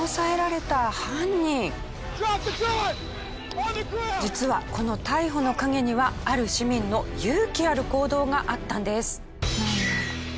こちらは実はこの逮捕の陰にはある市民の勇気ある行動があったんです。